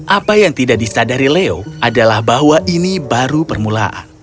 apa yang tidak disadari leo adalah bahwa ini baru permulaan